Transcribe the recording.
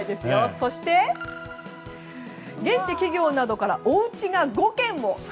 そして現地企業などからおうちが５軒も。